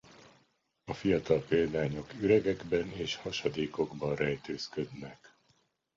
A fiatal példányok üregekben és hasadékokban rejtőzködnek.